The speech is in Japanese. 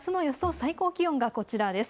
最高気温がこちらです。